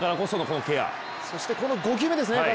そしてこの５球目ですね。